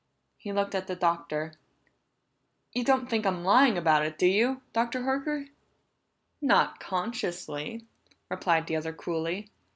He looked at the Doctor. "You don't think I'm lying about it, do you, Dr. Horker?" "Not consciously," replied the other coolly.